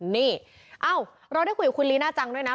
นี่เอ้าเราได้คุยกับคุณลีน่าจังด้วยนะ